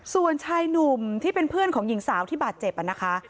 ส่วนชายหนุ่มที่เป็นเพื่อนของหญิงสาวที่บาดเจ็บนะคะ